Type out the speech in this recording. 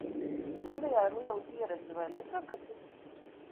Tev tajā ir liela pieredze, vai ne, Trakaci?